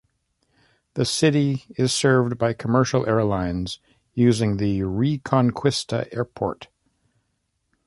The city is served by commercial airlines using the Reconquista Airport.